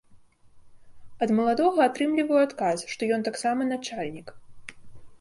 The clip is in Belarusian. Ад маладога атрымліваю адказ, што ён таксама начальнік.